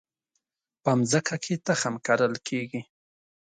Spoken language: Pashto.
په مځکه کې تخم کرل کیږي